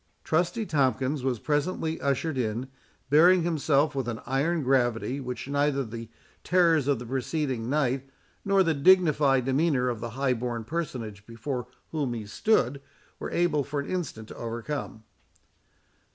Trusty Tomkins was presently ushered in, bearing himself with an iron gravity, which neither the terrors of the preceding night, nor the dignified demeanour of the high born personage before whom he stood, were able for an instant to overcome.